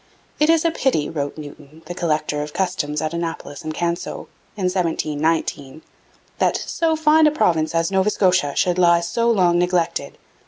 'It is a pity,' wrote Newton, the collector of the customs at Annapolis and Canso, in 1719, that 'so fine a province as Nova Scotia should lie so long neglected.